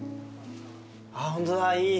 ああホントだいい。